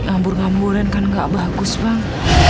ngambur ngamburan kan gak bagus bang